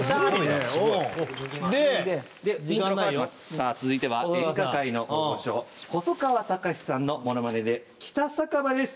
さあ続いては演歌界の大御所細川たかしさんのモノマネで『北酒場』です。